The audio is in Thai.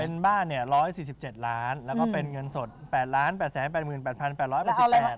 เป็นบ้านเนี่ย๑๔๗ล้านแล้วก็เป็นเงินสด๘๘๘๘บาท